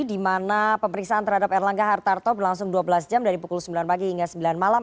di mana pemeriksaan terhadap erlangga hartarto berlangsung dua belas jam dari pukul sembilan pagi hingga sembilan malam